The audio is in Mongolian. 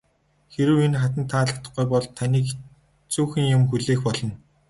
Хэрэв энэ хатанд таалагдахгүй бол таныг хэцүүхэн юм хүлээх болно.